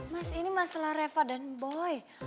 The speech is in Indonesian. mas ini masalah reva dan boy